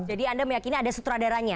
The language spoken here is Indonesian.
jadi anda meyakini ada sutradaranya